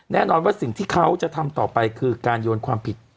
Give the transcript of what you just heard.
แน่นอนว่าสิ่งที่เขาจะทำต่อไปคือการโยนความผิด